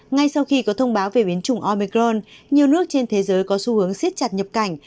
ngay sau khi có thông báo về biến chủng omicron nhiều nước trên thế giới có xu hướng siết chặt nhập cảnh